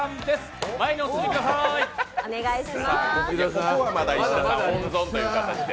ここはまだ石田さん、温存という形で。